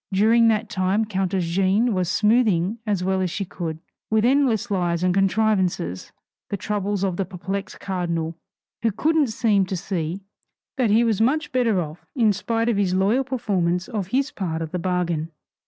During that time countess Jeanne was smoothing as well as she could, with endless lies and contrivances, the troubles of the perplexed cardinal, who "couldn't seem to see" that he was much better off in spite of his loyal performance of his part of the bargain.